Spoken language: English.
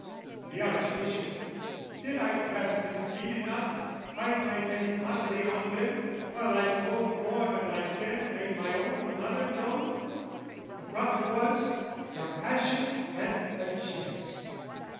The Archbishop, did I clasp his feet enough, Hide my face hotly on them, while I told More than I dared make my own mother known? The profit was compassion and a jest.